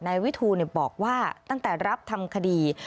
นายวิทูลบอกว่าตั้งแต่รับทำคดี